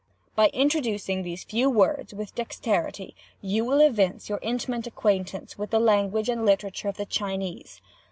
By introducing these few words with dexterity you will evince your intimate acquaintance with the language and literature of the Chinese.